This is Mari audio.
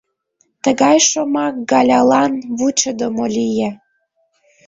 — Тыгай шомак Галялан вучыдымо лие.